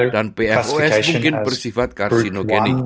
dan pfos mungkin bersifat karsinogenik